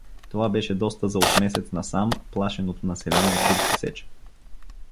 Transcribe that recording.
Това беше доста за от месец насам плашеното население от турска сеч!